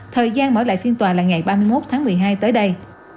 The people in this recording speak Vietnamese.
thời gian mở lại phiên tòa là ngày ba mươi một tháng một mươi hai tới đây